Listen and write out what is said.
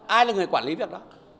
ai là người quản lý việc đó